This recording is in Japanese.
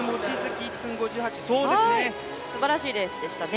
すばらしいレースでしたね。